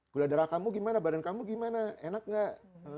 gula darah kamu gimana badan kamu gimana enak gak